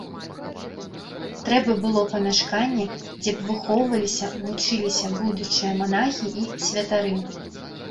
Трэба было памяшканне, дзе б выхоўваліся, вучыліся будучыя манахі і святары.